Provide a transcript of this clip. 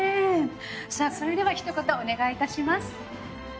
さあそれではひと言お願いいたします。